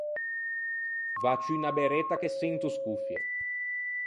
Vâ ciù unna berretta che çento scoffie.